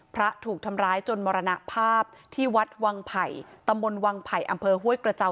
ถูกทำร้ายจนมรณภาพที่วัดวังไผ่ตำบลวังไผ่อำเภอห้วยกระเจ้า